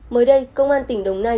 mới đây công an tỉnh đồng nai